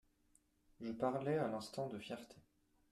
Je parlais à l’instant de fierté.